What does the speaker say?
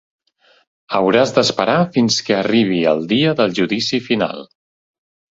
Hauràs d'esperar fins que arribi el dia del Judici Final.